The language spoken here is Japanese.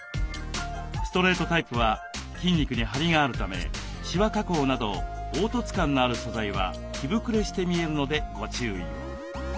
ストレートタイプは筋肉にハリがあるためシワ加工など凹凸感のある素材は着ぶくれして見えるのでご注意を。